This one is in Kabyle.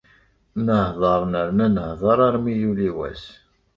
Nehder nerna nehder armi yuli wass.